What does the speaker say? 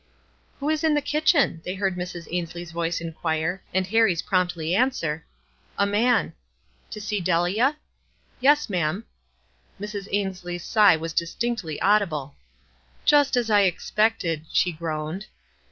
"Who is in the kitchen?" they heard Mrs. Ainslie's voice inquire, and Harrie's promptly answer, — "A man." "To see Delia?" "Yes, ma'am." Mrs. Ainslie's sigh was distinctly audible. "Jus* as I expected," she groaned.